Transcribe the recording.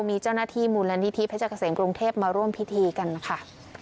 มีเจ้าหน้าที่หมุนและนิทิพย์พระเจ้าเกษมกรุงเทพมาร่วมพิธีกันนะคะ